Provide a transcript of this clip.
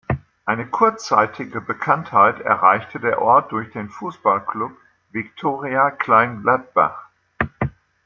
Eine kurzzeitige Bekanntheit erreichte der Ort durch den Fußballklub "Viktoria Kleingladbach".